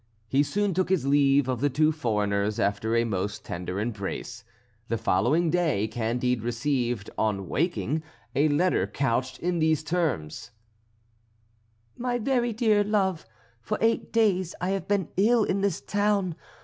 He soon took his leave of the two foreigners after a most tender embrace. The following day Candide received, on awaking, a letter couched in these terms: "My very dear love, for eight days I have been ill in this town.